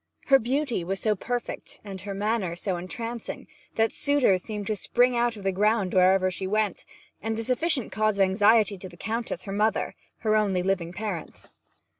Her beauty was so perfect, and her manner so entrancing, that suitors seemed to spring out of the ground wherever she went, a sufficient cause of anxiety to the Countess her mother, her only living parent.